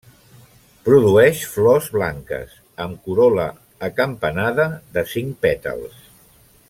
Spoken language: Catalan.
Produeix flors blanques, amb corol·la acampanada de cinc pètals.